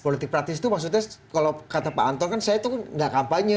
politik praktis itu maksudnya kalau kata pak anton kan saya tuh gak kampanye